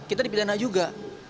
kita dipidana juga